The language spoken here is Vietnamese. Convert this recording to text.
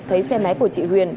thấy xe máy của chị huyền